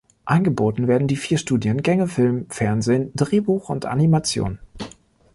Angeboten werden die vier Studiengänge Film, Fernsehen, Drehbuch und Animation.